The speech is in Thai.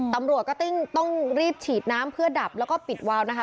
ตำรวจก็ต้องรีบฉีดน้ำเพื่อดับแล้วก็ปิดวาวนะคะ